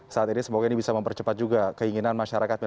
saat ini semoga ini bisa mempercepat juga keinginan masyarakat